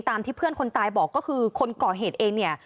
ที่เพื่อนคนตายบอกก็คือคนก่อเหตุเองเนี่ย